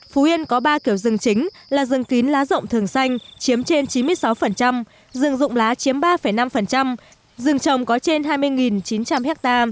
phú yên có ba kiểu rừng chính là rừng kín lá rộng thường xanh chiếm trên chín mươi sáu rừng dụng lá chiếm ba năm rừng trồng có trên hai mươi chín trăm linh ha